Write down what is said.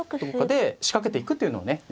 どこかで仕掛けていくというのをね